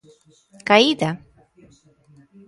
Caída?